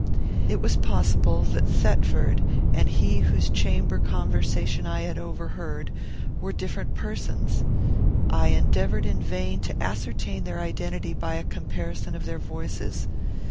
It was possible that Thetford and he whose chamber conversation I had overheard were different persons. I endeavoured in vain to ascertain their identity by a comparison of their voices.